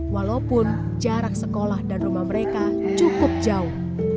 walaupun jarak sekolah dan rumah mereka cukup jauh